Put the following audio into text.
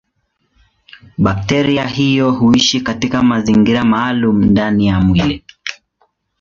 Bakteria hiyo huishi katika mazingira maalumu ndani ya mwili.